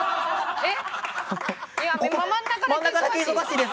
えっ？